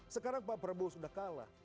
sekarang pak prabowo sudah kalah